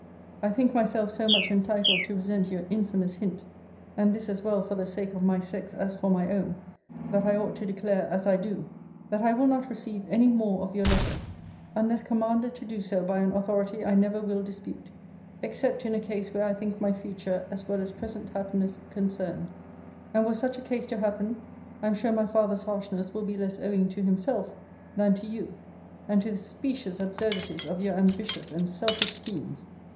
I think myself so much entitled to resent your infamous hint, and this as well for the sake of my sex, as for my own, that I ought to declare, as I do, that I will not receive any more of your letters, unless commanded to do so by an authority I never will dispute; except in a case where I think my future as well as present happiness concerned: and were such a case to happen, I am sure my father's harshness will be less owing to himself than to you; and to the specious absurdities of your ambitious and selfish schemes.